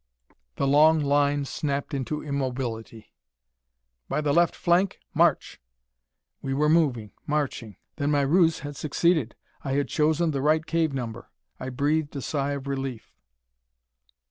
_" The long line snapped into immobility. "By the left flank, march!" We were moving, marching. Then my ruse had succeeded. I had chosen the right cave number. I breathed a sigh of relief.